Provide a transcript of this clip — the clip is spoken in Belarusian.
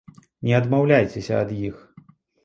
Не адмаўляйцеся ад іх!